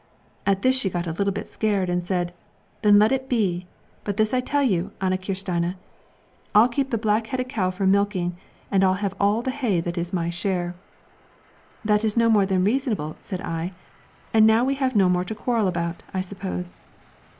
At this she got a little bit scared, and said, "Then let it be! but this I tell you, Ane Kirstine, I'll keep the black headed cow for milking, and I'll have all the hay that is my share." "That is no more than reasonable," said I, "and now we have no more to quarrel about, I suppose."